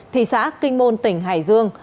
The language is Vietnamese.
thị xã kinh môn tỉnh hải dương